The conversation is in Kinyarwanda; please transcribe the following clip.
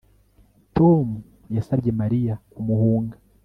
Tom yasabye Mariya kumuhunga